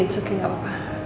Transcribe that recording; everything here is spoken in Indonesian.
itu oke gak apa apa